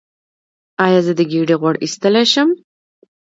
ایا زه د ګیډې غوړ ایستلی شم؟